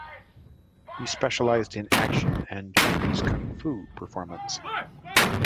He is specialised in action and Chinese Kung Fu performance.